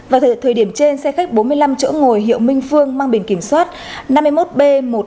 vào thời điểm trên xe khách bốn mươi năm chỗ ngồi hiệu minh phương mang bền kiểm soát năm mươi một b một mươi hai nghìn bốn trăm bảy mươi ba